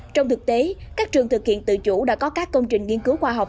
trong thực tế các trường thực hiện tự chủ đã có các công trình nghiên cứu khoa học